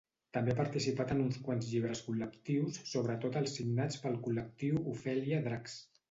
També ha participat en uns quants llibres col·lectius, sobretot als signats pel col·lectiu Ofèlia Dracs.